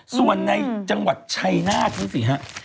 ส่วนในจังหวัดชัยนาธิ์ดูสิฮะ